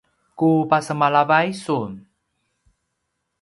ku pasemalavay sun